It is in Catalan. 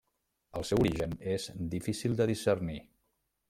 El seu origen és difícil de discernir.